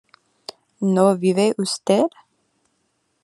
¿no vive usted?